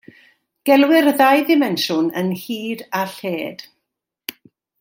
Gelwir y ddau ddimensiwn yn hyd a lled.